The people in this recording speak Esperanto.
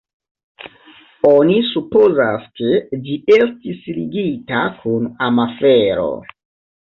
Oni supozas, ke ĝi estis ligita kun amafero.